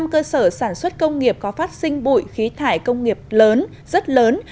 một trăm linh cơ sở sản xuất công nghiệp có phát sinh bụi khí thải công nghiệp lớn rất lớn